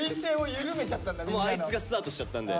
あいつがスタートしちゃったんで。